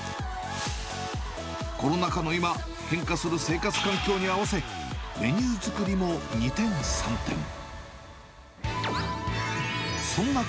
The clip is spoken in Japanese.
コロナ禍の今、変化する生活環境に合わせ、メニュー作りも二転三転。